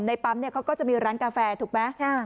ปั๊มเนี่ยเขาก็จะมีร้านกาแฟถูกไหม